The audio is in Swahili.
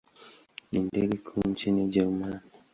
Ni ndege kuu nchini Ujerumani.